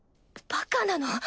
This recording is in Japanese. バカなの？